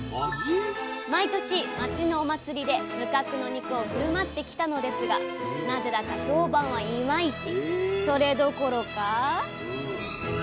毎年町のお祭りで無角の肉を振る舞ってきたのですがなぜだか評判はイマイチ。